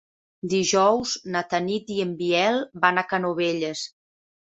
Dijous na Tanit i en Biel van a Canovelles.